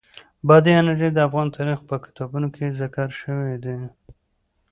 بادي انرژي د افغان تاریخ په کتابونو کې ذکر شوی دي.